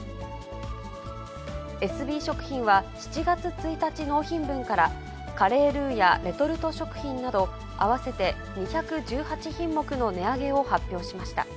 エスビー食品は、７月１日納品分から、カレールウやレトルト食品など、合わせて２１８品目の値上げを発表しました。